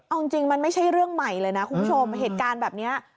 เอาจริงมันไม่ใช่เรื่องใหม่เลยนะคุณผู้ชมเหตุการณ์แบบนี้